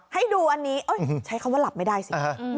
ให้ดูอันนี้ใช้คำว่าหลับไม่ได้สิ